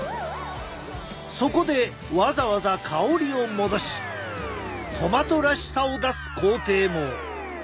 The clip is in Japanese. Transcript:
そこでわざわざ香りを戻しトマトらしさを出す工程も。